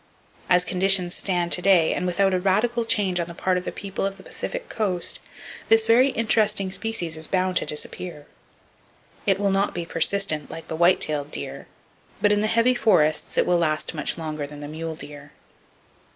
As conditions stand to day, and without a radical change on the part of the people of the Pacific coast, this very interesting species is bound to disappear. It will not be persistent, like the white tailed deer, but in the heavy forests, it will last much longer than the mule deer.